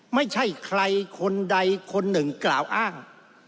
ไม่ใช่ใครคนใดคนหนึ่งกล่าวอ้าง